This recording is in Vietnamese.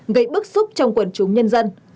gây bức xúc trong quần chúng nhân dân